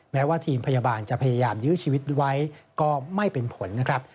แม้ว่าทีมพยาบาลจะพยายามยื้อชีวิตไว้ก็ไม่เป็นผลนะครับ